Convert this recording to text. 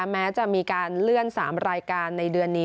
แม้จะมีการเลื่อน๓รายการในเดือนนี้